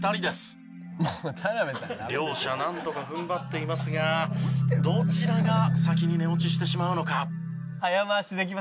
両者なんとか踏ん張っていますがどちらが先に寝落ちしてしまうのか？